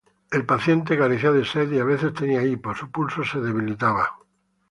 El paciente carecía de sed y a veces tenía hipo, su pulso se debilitaba.